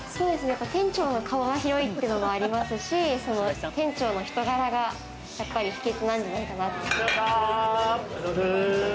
店長の顔が広いっていうのもありますし人柄が秘訣なんじゃないかなと思います。